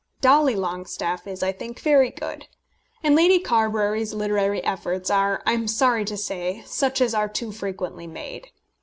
Dolly Longestaffe, is, I think, very good. And Lady Carbury's literary efforts are, I am sorry to say, such as are too frequently made.